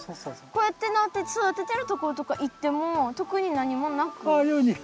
こうやってなって育ててるところとか行っても特に何もなく？